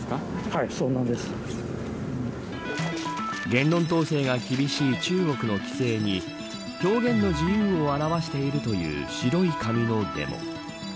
言論統制が厳しい中国の規制に表現の自由を表しているという白い紙のデモ。